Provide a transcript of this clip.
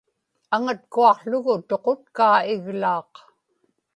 aŋatkuaqługu tuqutkaa iglaaq